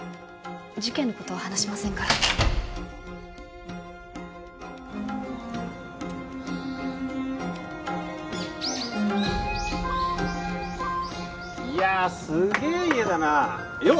事件のことは話しませんからいやすげえ家だなよっ！